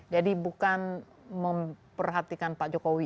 jadi bukan memperhatikan pak jokowi